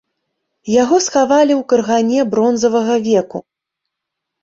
Яго схавалі ў кургане бронзавага веку.